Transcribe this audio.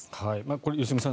これ、良純さん